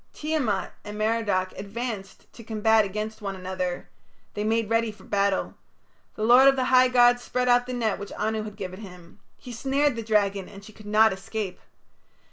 Tiamat and Merodach advanced to combat against one another. They made ready for battle. The lord of the high gods spread out the net which Anu had given him. He snared the dragon and she could not escape.